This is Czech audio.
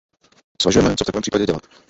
Zvažujeme, co v takovém případě dělat.